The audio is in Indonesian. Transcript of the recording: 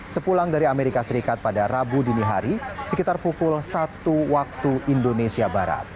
sepulang dari amerika serikat pada rabu dini hari sekitar pukul satu waktu indonesia barat